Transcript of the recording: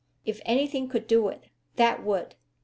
If anything could do it that would!"